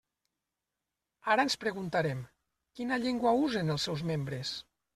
Ara ens preguntarem: ¿quina llengua usen els seus membres?